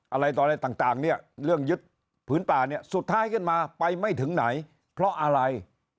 อะไรต่างเรื่องยึดผืนป่าสุดท้ายขึ้นมาไปไม่ถึงไหนเพราะอะไร